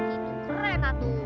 itu keren atu